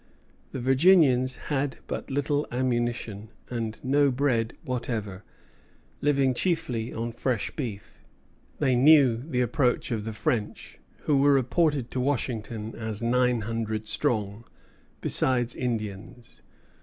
The Virginians had but little ammunition, and no bread whatever, living chiefly on fresh beef. They knew the approach of the French, who were reported to Washington as nine hundred strong, besides Indians.